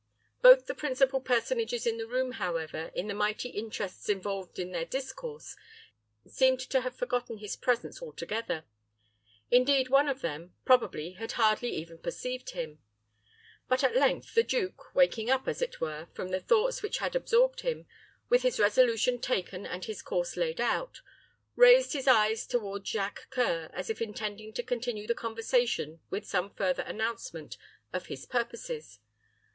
Both the principal personages in the room, however, in the mighty interests involved in their discourse, seemed to have forgotten his presence altogether; indeed, one of them, probably, had hardly even perceived him. But at length the duke, waking up, as it were, from the thoughts which had absorbed him, with his resolution taken and his course laid out, raised his eyes toward Jacques C[oe]ur, as if intending to continue the conversation with some further announcement of his purposes.